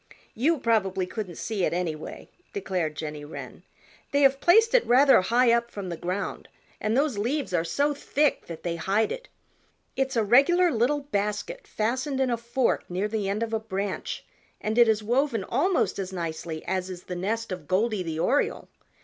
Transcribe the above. "You probably couldn't see it, anyway," declared Jenny Wren. "They have placed it rather high up from the ground and those leaves are so thick that they hide it. It's a regular little basket fastened in a fork near the end of a branch and it is woven almost as nicely as is the nest of Goldy the Oriole.